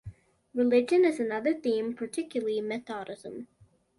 Religion is another theme, particularly Methodism.